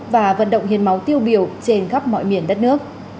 và vận động hiến máu tiêu biểu trên khắp mọi miền đất nước